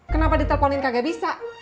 kenapa diteleponin kagak bisa